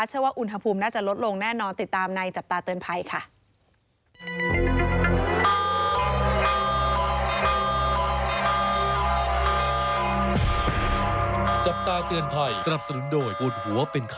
เชื่อว่าอุณหภูมิน่าจะลดลงแน่นอน